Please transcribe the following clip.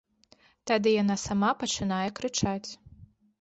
Тады яна сама пачынае крычаць.